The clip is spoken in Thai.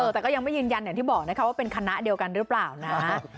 แต่ก็ยังไม่ยืนยันอย่างที่บอกนะคะว่าเป็นคณะเดียวกันหรือเปล่านะ